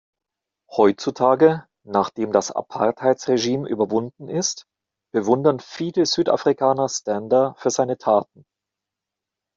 Heutzutage, nachdem das Apartheidsregime überwunden ist, bewundern viele Südafrikaner Stander für seine Taten.